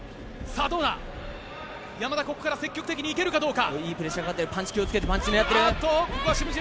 山田、ここから積極的に行けるかどうか。